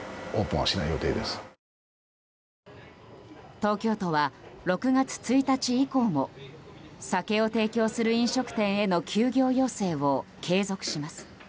東京都は、６月１日以降も酒を提供する飲食店への休業要請を継続します。